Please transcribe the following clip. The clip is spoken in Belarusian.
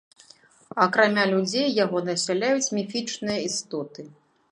Акрамя людзей яго насяляюць міфічныя істоты.